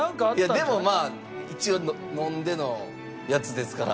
でもまあ一応飲んでのやつですから。